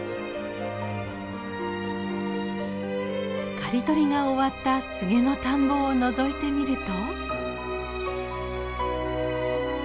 刈り取りが終わったスゲの田んぼをのぞいてみると。